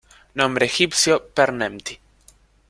Nombre egipcio Per-Nemty.